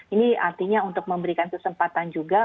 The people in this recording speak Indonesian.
ini artinya untuk memberikan kesempatan juga